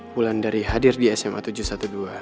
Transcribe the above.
bulan dari hadir di sma tujuh ratus dua belas